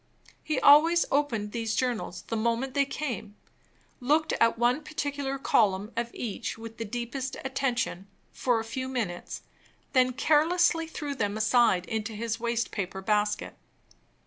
He always opened these journals the moment they came, looked at one particular column of each with the deepest attention, for a few minutes, then carelessly threw them aside into his waste paper basket.